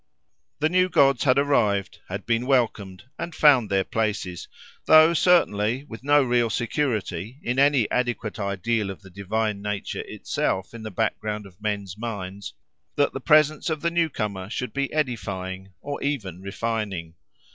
The new gods had arrived, had been welcomed, and found their places; though, certainly, with no real security, in any adequate ideal of the divine nature itself in the background of men's minds, that the presence of the new comer should be edifying, or even refining.